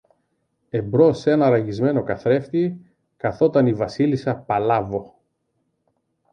Εμπρός σ' ένα ραγισμένο καθρέφτη κάθονταν η Βασίλισσα Παλάβω.